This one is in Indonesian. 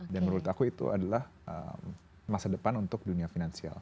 menurut aku itu adalah masa depan untuk dunia finansial